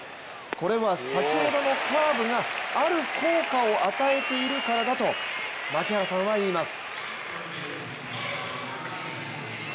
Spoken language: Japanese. これは先ほどのカーブがある効果を与えているからだと槙原さんは言います。